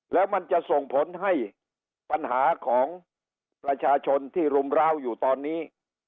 แล้วมันจะส่งผลให้ปัญหาของประชาชนที่รุมร้าวอยู่ตอนนี้